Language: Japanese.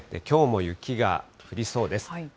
きょうも雪が降りそうです。